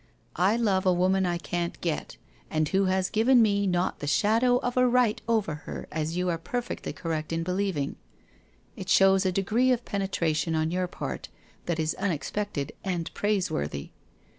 I love a woman I can't get and who has given me not the shadow of a right over her as you are perfectly correct in believing; it shows a degree of penetration on your part that is unexpected and praiseworthy.